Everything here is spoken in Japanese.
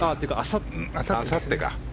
あさってか。